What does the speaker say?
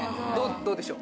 どうでしょう？